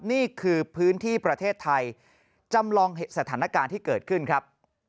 นี่คือพื้นที่ประเทศไทยจำลองเหตุการณ์ที่เกิดขึ้นครับ